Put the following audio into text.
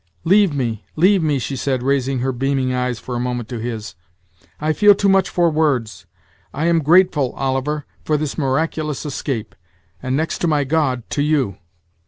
"Leave me, leave me," she said, raising her beaming eyes for a moment to his; "I feel too much for words! I am grateful, Oliver, for this miraculous escape; and next to my God to you."